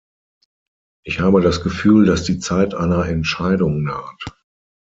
Ich habe das Gefühl, dass die Zeit einer Entscheidung naht.